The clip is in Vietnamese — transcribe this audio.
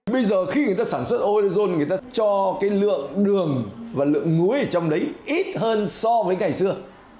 bây giờ khi người ta sản xuất orezone người ta cho cái lượng đường và lượng muối ở trong đấy ít hơn so với ngày xưa